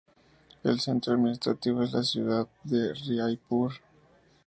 El centro administrativo es la ciudad de Raipur.